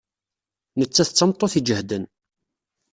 Nettat d tameṭṭut iǧehden.